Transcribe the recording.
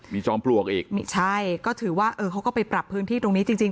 มีจอมปลวกอีกไม่ใช่ก็ถือว่าเออเขาก็ไปปรับพื้นที่ตรงนี้จริงจริง